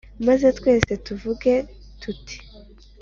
maze twese tuvuge tuti